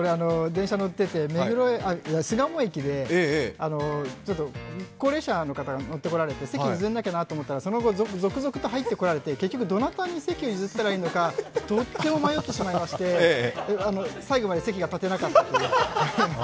電車乗ってて、巣鴨駅で高齢者の方が乗ってこられて席を譲らなきゃなと思ったら、その後、続々とお客さんが乗ってきて結局どなたに席を譲ったらいいのか、とても迷ってしまいまして最後まで席が立てなかったという。